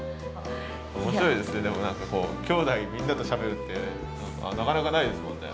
面白いですねでも何かこうきょうだいみんなとしゃべるってなかなかないですもんね。